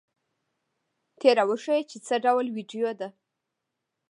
ته را وښیه چې څه ډول ویډیو ده؟